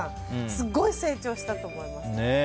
すごい成長したと思います。